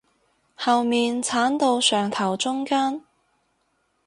後面剷到上頭中間